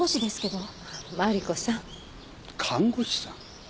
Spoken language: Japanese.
看護師さん？